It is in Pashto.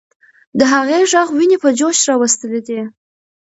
د هغې ږغ ويني په جوش راوستلې دي.